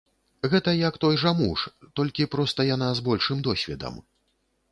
Гэта як той жа муж, толькі проста яна з большым досведам.